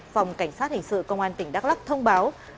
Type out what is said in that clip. phòng cảnh sát hình sự công an tỉnh đắk lắc thông báo